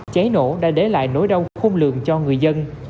cháy nổ đã để lại nỗi đau khôn lường cho người dân